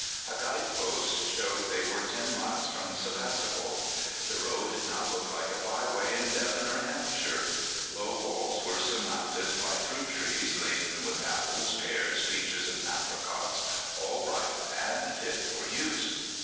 A guide post showed they were ten miles from Sebastopol. The road now looked like a byway in Devon or Hampshire. Low walls were surmounted by fruit trees, laden with apples, pears, peaches, and apricots, all ripe and fit for use.